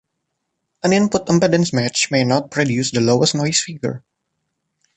An input impedance match may not produce the lowest noise figure.